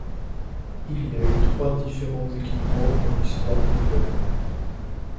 Il y a eu trois différents équipements dans l'histoire du club.